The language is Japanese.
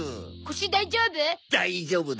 腰大丈夫？